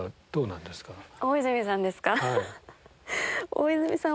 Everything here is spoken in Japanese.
大泉さん